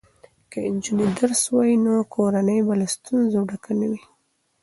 که نجونې درس ووایي نو کورنۍ به له ستونزو ډکه نه وي.